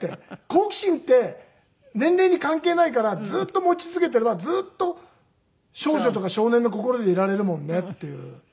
好奇心って年齢に関係ないからずっと持ち続けていればずっと少女とか少年の心でいられるもんねっていう。